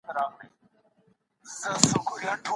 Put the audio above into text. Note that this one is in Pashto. ټولنیز مهارتونه تمرین ته اړتیا لري.